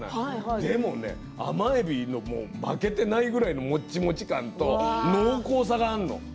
でも甘えびに負けてないぐらいのもちもち感と濃厚さがあるの。